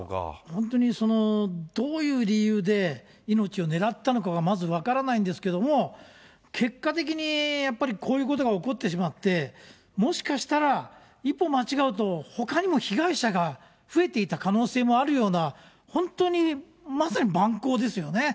本当に、どういう理由で命を狙ったのかが、まず分からないんですけれども、結果的にやっぱりこういうことが起こってしまって、もしかしたら、一歩間違うと、ほかにも被害者が増えていた可能性もあるような、本当にまさに蛮行ですよね。